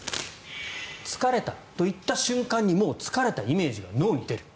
疲れたと言った瞬間に疲れたイメージが脳に出る。